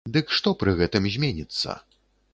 Дык што пры гэтым зменіцца?